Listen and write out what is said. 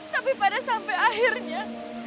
tapi pada sampai akhirnya